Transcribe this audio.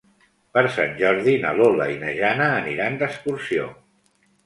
Per Sant Jordi na Lola i na Jana aniran d'excursió.